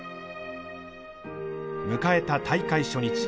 迎えた大会初日。